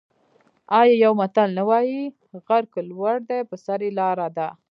آیا یو متل نه وايي: غر که لوړ دی په سر یې لاره ده؟